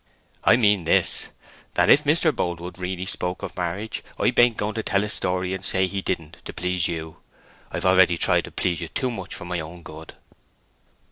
"I mean this, that if Mr. Boldwood really spoke of marriage, I bain't going to tell a story and say he didn't to please you. I have already tried to please you too much for my own good!"